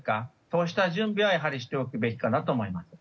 そうした準備はしておくべきかなと思います。